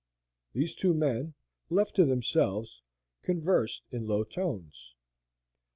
The two men, left to themselves, conversed in low tones.